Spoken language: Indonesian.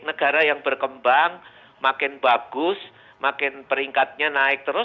negara yang berkembang makin bagus makin peringkatnya naik terus